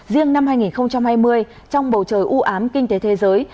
riêng năm hai nghìn hai mươi trong bầu trời ưu ám kinh tế thế giới